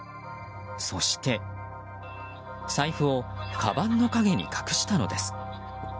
そして財布をかばんの陰に隠したのです。